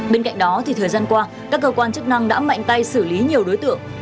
bên cạnh đó thì thời gian qua các cơ quan chức năng đã mạnh tay xử lý nhiều đối tượng